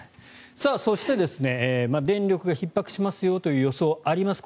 そして、電力がひっ迫しますよという予想があります。